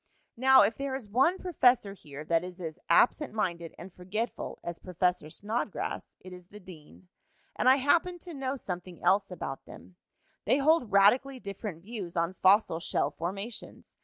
"Now, if there is one professor here that is as absent minded and forgetful as Professor Snodgrass, it is the dean. And I happened to know something else about them. They hold radically different views on fossil shell formations.